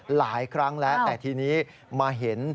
หลายครั้งแล้วแต่ทีนี้มาเห็น